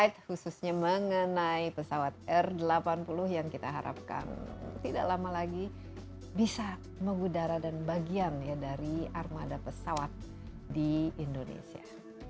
khususnya mengenai pesawat r delapan puluh yang kita harapkan tidak lama lagi bisa mengudara dan bagian ya dari armada pesawat di indonesia